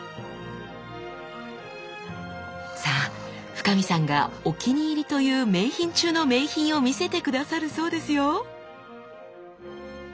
さあ深海さんがお気に入りという名品中の名品を見せて下さるそうですよ！